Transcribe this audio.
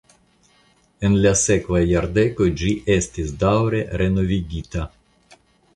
En la sekvaj jardekoj ĝi estis daŭre renovigita.